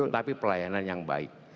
tapi pelayanan yang baik